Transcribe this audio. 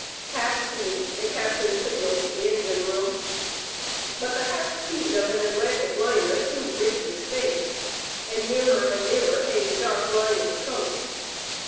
"Half speed'* the captain signaled to the engine room. But the half speed of an Atlantic liner soon bridges space, and nearer and nearer came the dark line of the coast.